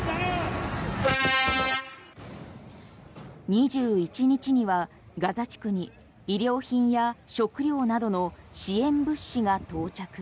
２１日にはガザ地区に衣料品や食料などの支援物資が到着。